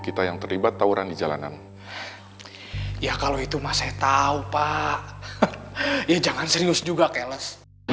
kita yang terlibat tawuran di jalanan ya kalau itu masih tahu pak ya jangan serius juga cales